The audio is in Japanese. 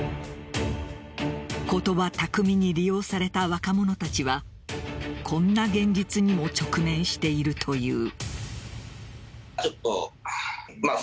言葉巧みに利用された若者たちはこんな現実にも直面しているという。